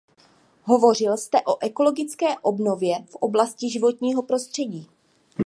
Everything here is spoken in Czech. Hovořil jste o ekologické obnově v oblasti životního prostředí.